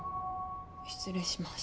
失礼します。